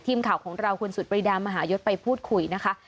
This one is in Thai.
ทีมข่าวของเราคุณสุดปรีดามหายศไปพูดคุยนะคะ